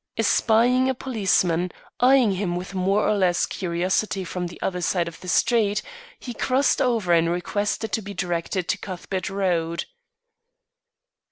Espying a policeman eyeing him with more or less curiosity from the other side of the street, he crossed over and requested to be directed to Cuthbert Road.